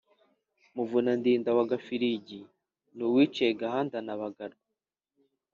Muvunandinda wa Gafiligi ni Uwiciye Gahanda na Bugarwe